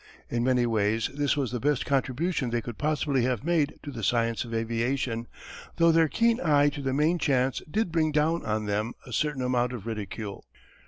In many ways this was the best contribution they could possibly have made to the science of aviation, though their keen eye to the main chance did bring down on them a certain amount of ridicule.